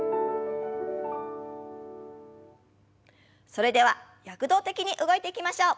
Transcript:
それでは躍動的に動いていきましょう。